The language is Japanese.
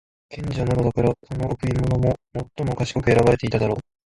賢者なのだから、その贈り物も最も賢く選ばていただろう。